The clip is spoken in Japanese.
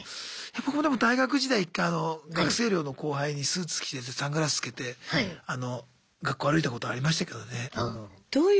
僕もでも大学時代１回あの学生寮の後輩にスーツ着せてサングラスつけて学校歩いたことありましたけどね。